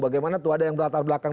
bagaimana tuh ada yang berlatar belakang